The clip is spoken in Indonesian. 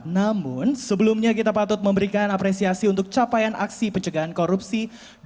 namun sebelumnya kita patut memberikan apresiasi untuk capaian aksi pencegahan korupsi dua ribu dua puluh satu dua ribu dua puluh dua